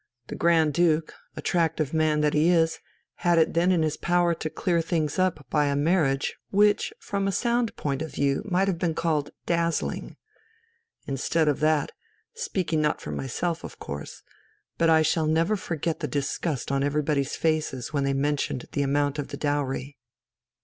The Grand Duke, attractive man that he is, had it then in his power to clear things up by a marriage which from a sound point of view might have been called dazzling. Instead of that ... speaking not for myself, of course, but I shall never forget the disgust on everybody's faces when they mentioned the amount of the dowry..."